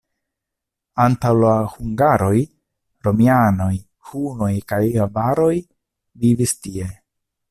Antaŭ la hungaroj romianoj, hunoj kaj avaroj vivis tie.